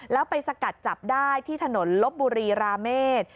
แล้วไปสกัดจับได้ที่ถนนลบบุรีราเมษ